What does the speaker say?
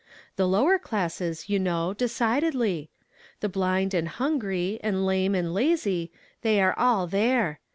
The lower classes, you know, dccidcdlj'. The blind and hungry, and lame and lazy — they are all there.